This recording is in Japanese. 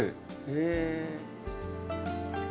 へえ。